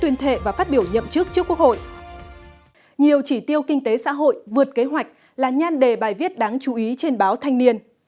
nhiều chỉ tiêu kinh tế xã hội vượt kế hoạch là nhan đề bài viết đáng chú ý trên báo thanh niên